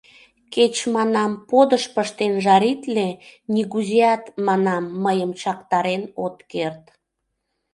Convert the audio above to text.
Кеч, манам, подыш пыштен жаритле, нигузеат, манам, мыйым чактарен от керт.